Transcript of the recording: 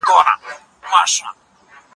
هغې وویل د کپسول حرکت خوندور و.